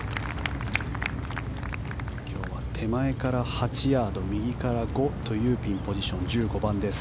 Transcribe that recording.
今日は手前から８ヤード右から５というピンポジション、１５番です。